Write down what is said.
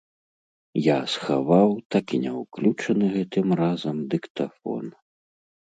Я схаваў так і не ўключаны гэтым разам дыктафон.